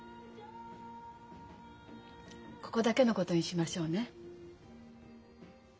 ここだけのことにしましょうね。